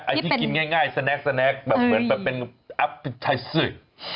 ไอ้ที่กินง่ายแสน็กแบบเป็นอัพทัยซึก